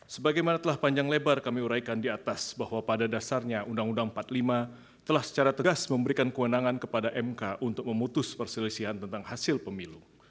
sebagaimana telah panjang lebar kami uraikan di atas bahwa pada dasarnya undang undang empat puluh lima telah secara tegas memberikan kewenangan kepada mk untuk memutus perselisihan tentang hasil pemilu